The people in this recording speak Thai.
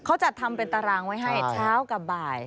เขาจัดทำเป็นตารางไว้ให้เช้ากับบ่าย